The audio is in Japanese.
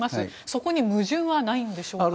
そこに矛盾はないんでしょうか。